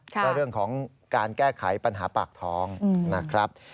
ก็เรื่องของการแก้ไขปัญหาปากท้องนะครับ